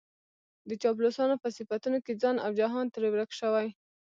د چاپلوسانو په صفتونو کې ځان او جهان ترې ورک شوی.